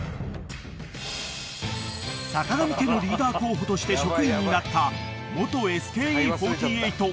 ［坂上家のリーダー候補として職員になった］